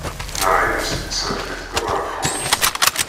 Neɛya si tsertit tameɛfunt.